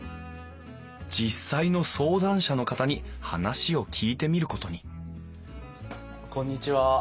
実際の相談者の方に話を聞いてみることにこんにちは。